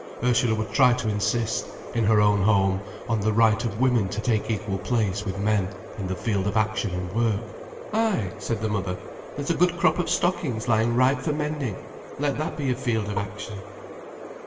Ursula would try to insist, in her own home, on the right of women to take equal place with men in the field of action and work. "Ay," said the mother, "there's a good crop of stockings lying ripe for mending. Let that be your field of action."